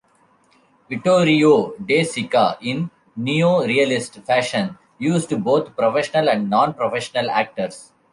Vittorio De Sica, in neo-realist fashion, used both professional and non-professional actors.